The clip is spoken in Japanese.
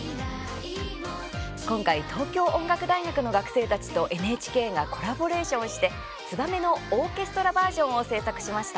今回、東京音楽大学の学生たちとＮＨＫがコラボレーションして「ツバメ」のオーケストラバージョンを制作しました。